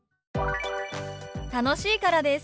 「楽しいからです」。